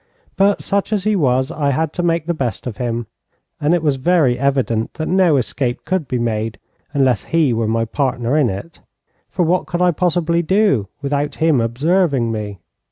But such as he was I had to make the best of him, and it was very evident that no escape could be made unless he were my partner in it, for what could I possibly do without him observing me?